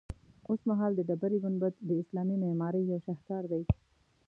اوسمهال د ډبرې ګنبد د اسلامي معمارۍ یو شهکار دی.